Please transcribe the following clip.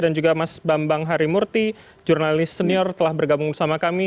dan juga mas bambang harimurti jurnalis senior telah bergabung bersama kami